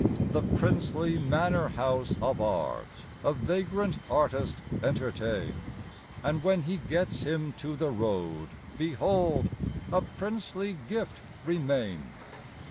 The princely manor house of art, A vagrant artist entertains; And when he gets him to the road, Behold, a princely gift remains.